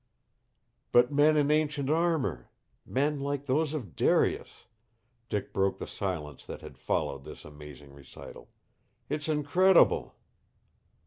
"But men in ancient armor. Men like those of Darius." Dick broke the silence that had followed this amazing recital. "It's incredible!"